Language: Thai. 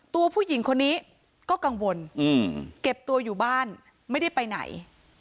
ผู้หญิงคนนี้ก็กังวลเก็บตัวอยู่บ้านไม่ได้ไปไหน